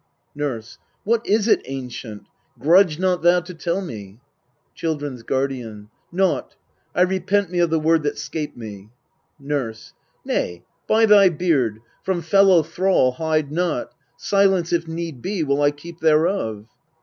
Nurse. What is it, ancient? Grudge not thou to tell me. Children's Guardian. Naught : I repent me of the word that 'scaped me. Nurse. Nay, by thy beard, from fellow thrall hide not Silence, if need be, will I keep thereof.